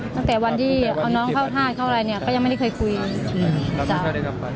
ตั้งแต่วันที่เอาน้องเข้าท่าเข้าอะไรเนี่ยก็ยังไม่ได้เคยคุยจ้ะ